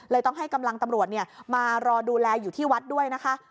ต้องให้กำลังตำรวจมารอดูแลอยู่ที่วัดด้วยนะคะ